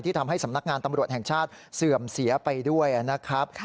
ทำให้สำนักงานตำรวจแห่งชาติเสื่อมเสียไปด้วยนะครับ